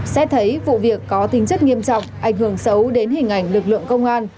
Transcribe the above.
xét thấy vụ việc có tính chất nghiêm trọng ảnh hưởng xấu đến hình ảnh lực lượng công an